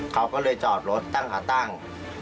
เขาก็เลยจอดรถตั้งขาตั้ง